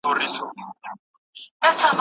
له بې ځایه اخيستلو ځان وژغورئ.